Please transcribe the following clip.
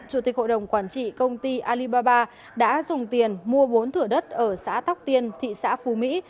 chủ tịch hội đồng quản trị công ty alibaba đã dùng tiền mua bốn thửa đất ở xã tóc tiên thị xã phú mỹ